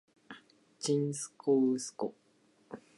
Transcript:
ちんすこうすこ